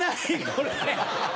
これ。